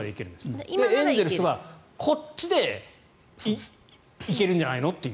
今、エンゼルスはこっちで行けるんじゃないの？という。